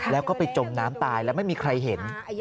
แล้วก็ไปจมน้ำตายแล้วไม่มีใครเห็น